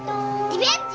リベンジ！